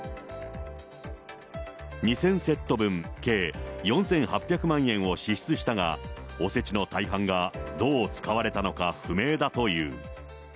２０００セット分計４８００万円を支出したが、おせちの大半がどう使われたのか不明だという。